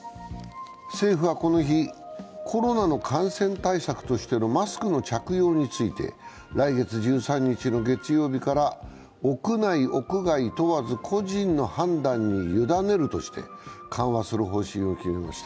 政府はこの日、コロナの感染対策としてのマスクの着用について来月１３日の月曜日から屋内・屋外問わず個人の判断に委ねるとして緩和する方針を決めました。